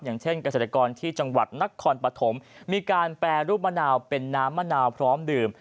อย่างเช่นเกษตรกรที่จังหวัดนครปฐมมีการแปรรูปมะนาวเป็นน้ำมะนาวพร้อมดื่ม